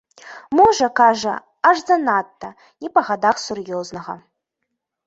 Можа, кажа, аж занадта, не па гадах сур'ёзнага.